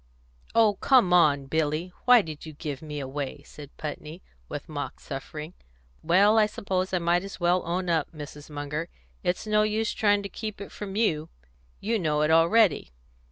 "Oh, come now, Billy, why did you give me away?" said Putney, with mock suffering. "Well, I suppose I might as well own up, Mrs. Munger; it's no use trying to keep it from you; you know it already.